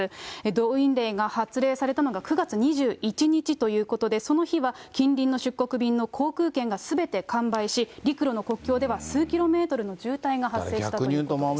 動員令が発令されたのが９月２１日ということで、その日は近隣の出国便の航空券がすべて完売し、陸路の国境では数キロメートルの渋滞が発生したということです。